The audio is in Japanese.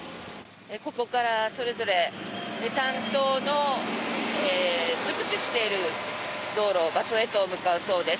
ここからそれぞれ担当の熟知している道路、場所へと向かうそうです。